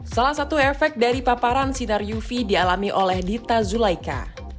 salah satu efek dari paparan sinar uv dialami oleh dita zulaika